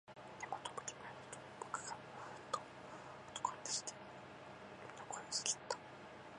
でも、と君は言うと、男がううんと声に出して、君の言葉をさえぎった